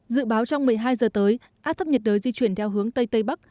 dự báo trong một mươi hai giờ tới áp thấp nhiệt đới di chuyển theo hướng tây tây bắc